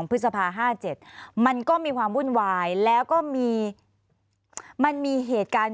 ๒๒พฤษภาห้าเจ็ดมันก็มีความวุ่นวายแล้วก็มีมันมีเหตุการ